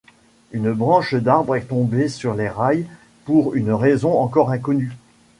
Une branche d'arbre est tombée sur les rails pour une raison encore inconnue.